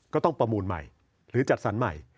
ก็ต้องประมูลใหม่หรือจัดสรรใหม่